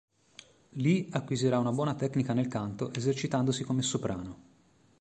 Lì acquisirà una buona tecnica nel canto, esercitandosi come soprano.